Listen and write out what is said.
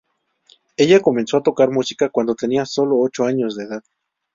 Ella comenzó a tocar música cuando tenía solo ocho años de edad.